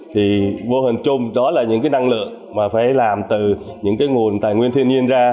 thì vô hình chung đó là những cái năng lượng mà phải làm từ những cái nguồn tài nguyên thiên nhiên ra